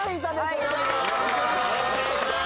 お願いします